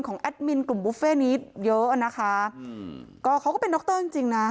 ของแอดมินกลุ่มบุฟเฟ่นี้เยอะนะคะเขาก็เป็นดรจริงนะ